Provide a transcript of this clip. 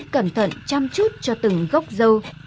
cẩn thận chăm chút cho từng gốc dâu